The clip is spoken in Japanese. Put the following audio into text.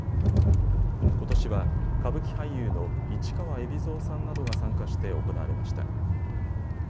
ことしは歌舞伎俳優の市川海老蔵さんなどが参加して行われました。